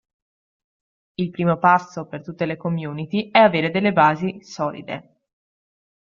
Il primo passo per tutte le community è avere delle basi solide.